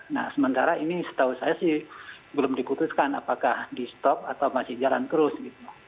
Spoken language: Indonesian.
nah sementara ini setahu saya sih belum diputuskan apakah di stop atau masih jalan terus gitu